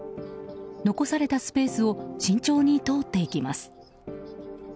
残されたスペースを慎重に通っていきます。